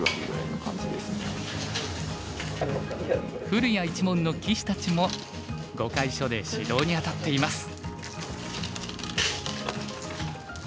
古谷一門の棋士たちも碁会所で指導に当たっています。